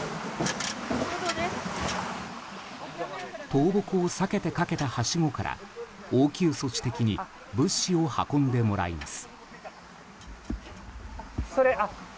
倒木を避けて、かけたはしごから応急措置的に物資を運んでもらいます。